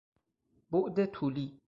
بعد طولی